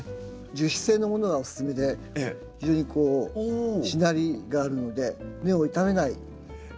樹脂製のものがおすすめで非常にこうしなりがあるので根を傷めない特徴があります。